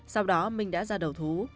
sau đó mình đã ra đầu thú